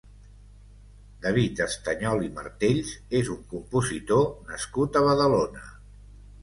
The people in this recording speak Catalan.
David Estañol i Martells és un compositor nascut a Badalona.